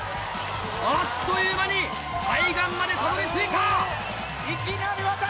あっという間に対岸までたどり着いた！